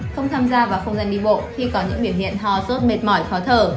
không tham gia vào không gian đi bộ khi có những biểu hiện ho sốt mệt mỏi khó thở